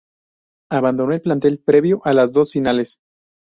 Abandono el plantel previo a las dos finales.